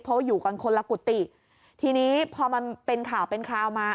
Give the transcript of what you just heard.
เพราะอยู่คนละกุฏติทีนี้พอเป็นข่าวเป็นคราวมา